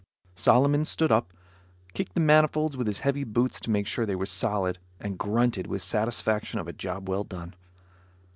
Solomon stood up, kicked the manifolds with his heavy boots to make sure they were solid and grunted with satisfaction of a job well done.